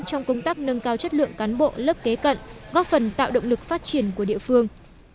trong công tác nâng cao chất lượng cán bộ lớp kế cận góp phần tạo động lực phát triển của địa phương